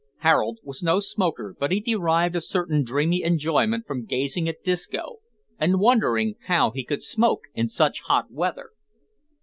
Harold was no smoker, but he derived a certain dreamy enjoyment from gazing at Disco, and wondering how he could smoke in such hot weather.